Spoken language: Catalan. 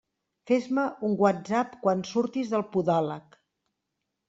Fes-me un Whatsapp quan surtis del podòleg.